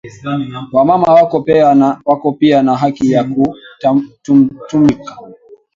Wa mama weko piya na haki ya ku tumIka